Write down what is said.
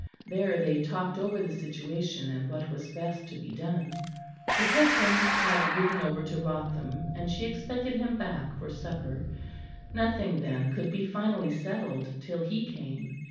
There, they talked over the situation and what was best to be done. Her husband had ridden over to Wrotham, and she expected him back for supper; nothing then could be finally settled till he came.